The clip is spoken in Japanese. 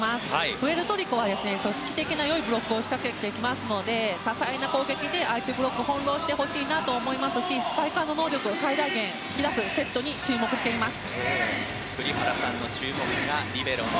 プエルトリコは組織的な良いブロックを仕掛けてきますので多彩な攻撃で相手ブロックを翻弄してほしいと思いますしスパイカーの能力を最大限引き出すセットに注目して見ます。